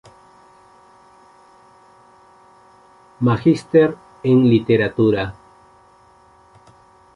Magíster en Literatura.